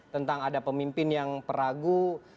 tentang ada pemimpin yang peragu